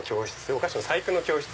お菓子の細工の教室。